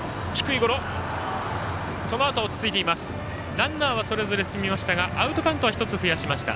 ランナーはそれぞれ進みましたがアウトカウントは１つ増やしました。